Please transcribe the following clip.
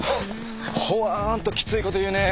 ほわーんときついこと言うね。